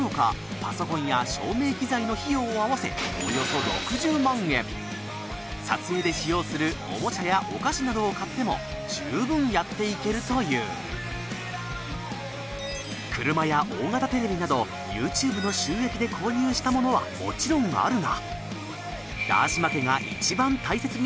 パソコンや照明機材の費用を合わせ撮影で使用するおもちゃやお菓子などを買っても十分やって行けるという車や大型テレビなどＹｏｕＴｕｂｅの収益で購入したものはもちろんあるがだーしま